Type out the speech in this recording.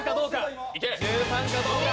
１３かどうか。